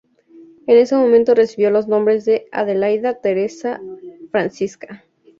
En ese momento recibió los nombres de Adelaida Teresa Francisca.